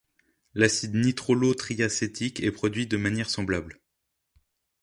L'acide nitrilotriacétique est produit de manière semblable.